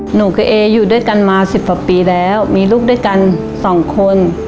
หนูกับเออยู่ด้วยกันมา๑๐กว่าปีแล้วมีลูกด้วยกันสองคน